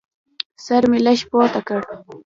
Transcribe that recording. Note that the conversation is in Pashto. سر مې لږ پورته کړ.